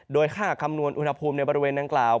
โดยค่าคำนวณอุณหภูมิในบริเวณดังกล่าว